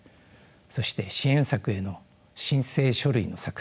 そして支援策への申請書類の作成